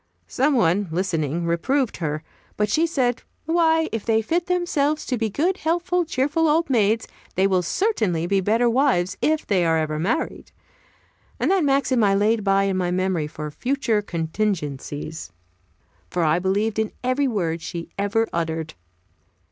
Some one listening reproved her, but she said, "Why, if they fit themselves to be good, helpful, cheerful old maids, they will certainly be better wives, if they ever are married," and that maxim I laid by in my memory for future contingencies, for I believed in every word she ever uttered.